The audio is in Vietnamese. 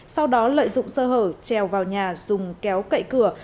sau đó lợi dụng sơ hở trèo vào nhà dùng kéo cậy cửa